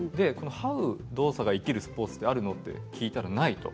はう動作ができるスポーツはあるの？と聞いたら、ないと。